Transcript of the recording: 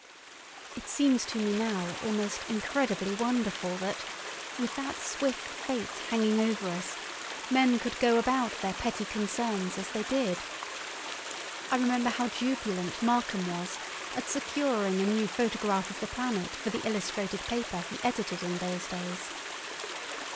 It seems to me now almost incredibly wonderful that, with that swift fate hanging over us, men could go about their petty concerns as they did. I remember how jubilant Markham was at securing a new photograph of the planet for the illustrated paper he edited in those days.